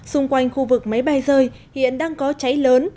xung quanh khu vực máy bay rơi hiện đang có cháy lớn